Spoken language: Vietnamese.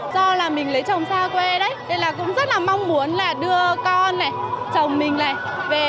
do mình lấy chồng xa quê tôi rất mong muốn đưa con chồng mình về